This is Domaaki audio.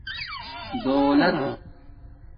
دݸلت